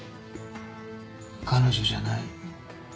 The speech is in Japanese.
彼女じゃない。